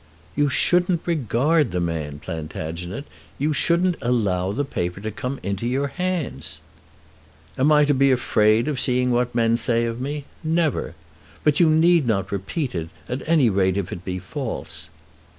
"You shouldn't regard the man, Plantagenet. You shouldn't allow the paper to come into your hands." "Am I to be afraid of seeing what men say of me? Never! But you need not repeat it, at any rate if it be false."